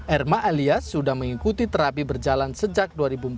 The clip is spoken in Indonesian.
erma alias sudah mengikuti terapi berjalan sejak dua ribu empat belas